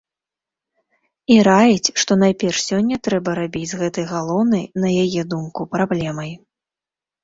І раіць, што найперш сёння трэба рабіць з гэтай галоўнай, на яе думку, праблемай.